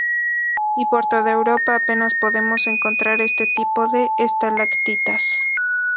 Y por toda Europa apenas podemos encontrar este tipo de estalactitas.